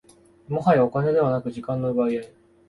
もはやお金ではなく時間の奪い合い